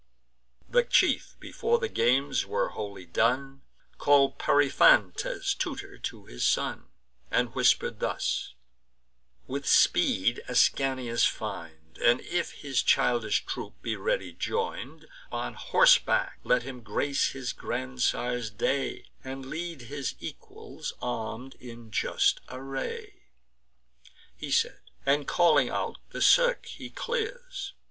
The chief, before the games were wholly done, Call'd Periphantes, tutor to his son, And whisper'd thus: "With speed Ascanius find; And, if his childish troop be ready join'd, On horseback let him grace his grandsire's day, And lead his equals arm'd in just array." He said; and, calling out, the cirque he clears.